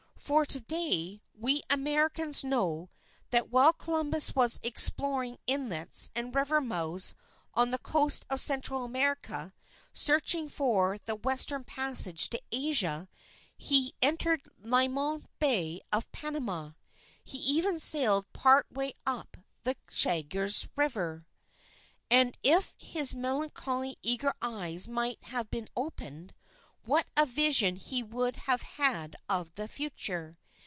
For to day, we Americans know that while Columbus was exploring inlets and river mouths on the coast of Central America searching for the Western Passage to Asia, he entered Limon Bay of Panama. He even sailed part way up the Chagres River. And if his melancholy eager eyes might have been opened, what a vision he would have had of the future!